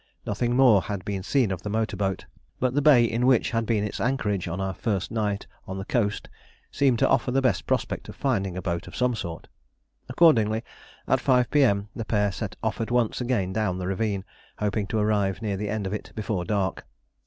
Nothing more had been seen of the motor boat, but the bay in which had been its anchorage on our first night on the coast seemed to offer the best prospect of finding a boat of some sort. Accordingly at 5 P.M. the pair set off once again down the ravine, hoping to arrive near the end of it before dark.